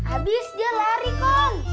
abis dia lari kong